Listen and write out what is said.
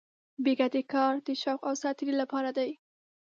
بې ګټې کار د شوق او ساتېرۍ لپاره دی.